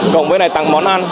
cộng với này tặng món ăn